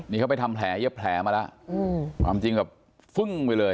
นี่เขาไปทำแผลเย็บแผลมาแล้วความจริงแบบฟึ้งไปเลย